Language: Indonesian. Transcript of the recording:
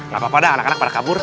gapapa dah anak anak pada kabur